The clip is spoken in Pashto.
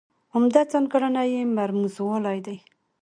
عمده ځانګړنه یې مرموزوالی دی.